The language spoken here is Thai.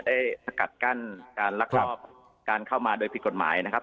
สกัดกั้นการลักลอบการเข้ามาโดยผิดกฎหมายนะครับ